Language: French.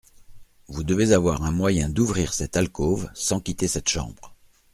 Vous devez avoir un moyen d’ouvrir cette alcôve, sans quitter cette chambre.